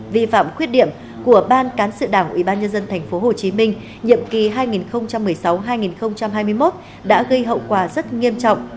vi phạm khuyết điểm của ban cán sự đảng ubnd tp hcm nhiệm kỳ hai nghìn một mươi sáu hai nghìn hai mươi một đã gây hậu quả rất nghiêm trọng